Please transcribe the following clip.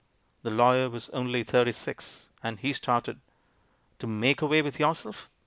The lawyer was only thirty six, and he started. To make away with yourself?